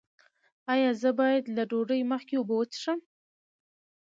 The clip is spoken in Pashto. ایا زه باید له ډوډۍ مخکې اوبه وڅښم؟